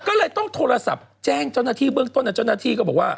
ก็เลยต้องโทรศัพท์แจ้งเจ้าหน้าที่เบื้องต้นเจ้าหน้าที่ก็บอกว่า